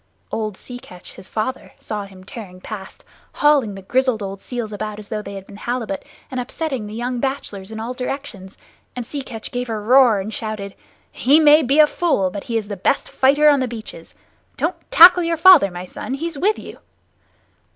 Old Sea Catch, his father, saw him tearing past, hauling the grizzled old seals about as though they had been halibut, and upsetting the young bachelors in all directions; and Sea Catch gave a roar and shouted: "He may be a fool, but he is the best fighter on the beaches! Don't tackle your father, my son! He's with you!"